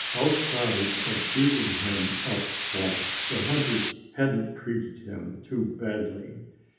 Outside of beating him up once, the hunters hadn't treated him too badly.